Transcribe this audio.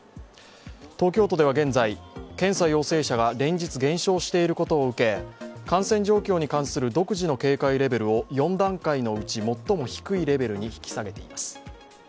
東京都では現在、検査陽性者が連日減少していることを受け、感染状況に関する独自の警戒レベルを４段階のうち最も低いレベルに引き下げています。